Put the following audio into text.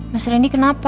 mas randy kenapa